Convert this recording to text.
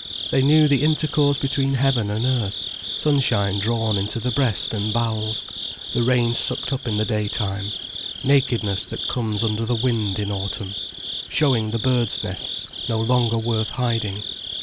They knew the intercourse between heaven and earth, sunshine drawn into the breast and bowels, the rain sucked up in the daytime, nakedness that comes under the wind in autumn, showing the birds' nests no longer worth hiding.